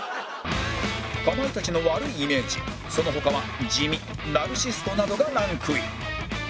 かまいたちの悪いイメージその他は「地味」「ナルシスト」などがランクイン